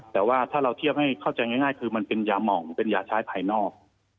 แต่ว่าถ้าเราเทียบให้เข้าใจง่ายคือมันเป็นยาหม่องเป็นยาใช้ภายนอก